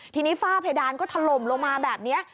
ทีนี้ฝ้าเพดานก็ถล่มลงมาแบบนี้